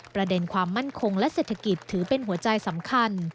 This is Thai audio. ประเด็นความมั่นคงและเศรษฐกิจถือเป็นหัวใจสำคัญ